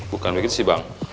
bukan begitu sih bang